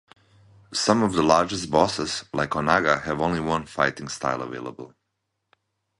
Some of the larger bosses, like Onaga, have only one fighting style available.